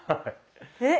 えっ！